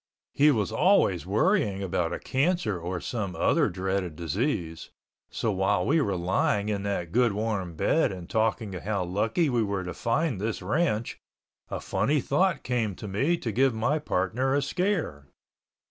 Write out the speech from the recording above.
He was always worrying about a cancer or some other dreaded disease, so while we were lying in that good warm bed and talking how lucky we were to find this ranch a funny thought came to me to give my partner a scare.